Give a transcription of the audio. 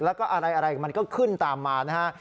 แล้วก็อะไรมันก็ขึ้นตามมานะฮะ